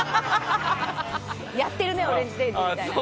やってるね「オレンジデイズ」みたいな。